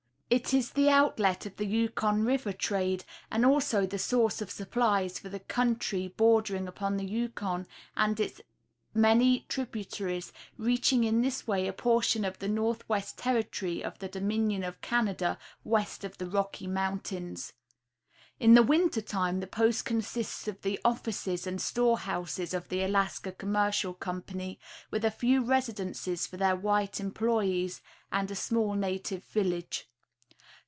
It is the outlet of the Yukon river trade and also the source of supplies for the country bordering upon the Yukon and its many tributaries, reaching in this way a portion of the Northwest Territory of the Dominion of Canada, west of the Rocky Mountains. In the winter time the post consists of the offices and store houses of the Alaska Commercial Company, with a few residences for their white employees, and a small native village.